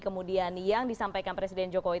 kemudian yang disampaikan presiden jokowi